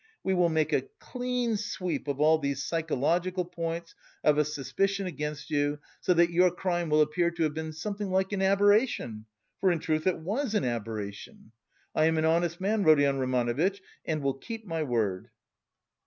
We will make a clean sweep of all these psychological points, of a suspicion against you, so that your crime will appear to have been something like an aberration, for in truth it was an aberration. I am an honest man, Rodion Romanovitch, and will keep my word."